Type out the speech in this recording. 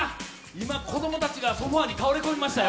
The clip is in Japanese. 今、子供たちがソファーに崩れ落ちましたよ。